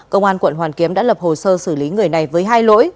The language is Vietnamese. công an quận hoàn kiếm đã lập hồ sơ xử lý người này với hai lỗi